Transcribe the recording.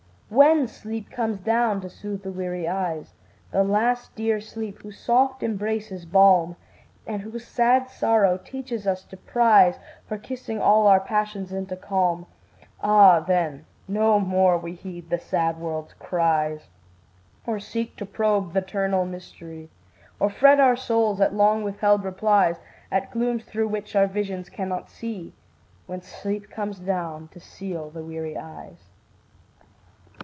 When sleep comes down to seal the weary eyes, The last dear sleep whose soft embrace is balm, And whom sad sorrow teaches us to prize For kissing all our passions into calm, Ah, then, no more we heed the sad world's cries, Or seek to probe th' eternal mystery, Or fret our souls at long withheld replies, At glooms through which our visions cannot see, When sleep comes down to seal the weary eyes.